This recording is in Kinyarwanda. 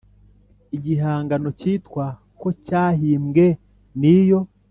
Igihangano cyitwa ko cyahimbwe n iyo